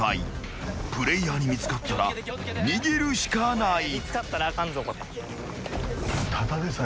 ［プレイヤーに見つかったら逃げるしかない］